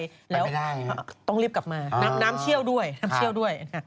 ไปไม่ได้ต้องรีบกลับมาน้ำเชี่ยวด้วย